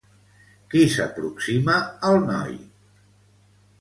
Qui s'aproxima al noi?